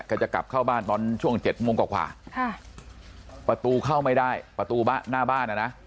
จะกลับเข้าบ้านตอนช่วง๗โมงกว่าประตูเข้าไม่ได้ประตูหน้าบ้านอ่ะนะ